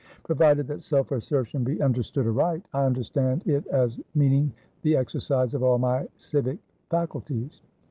"Provided that self assertion be understood aright. I understand it as meaning the exercise of all my civic faculties."